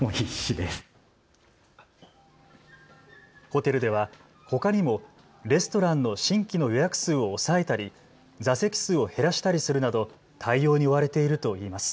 ホテルではほかにもレストランの新規の予約数を抑えたり座席数を減らしたりするなど対応に追われているといいます。